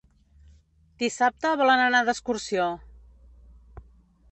Dissabte volen anar d'excursió.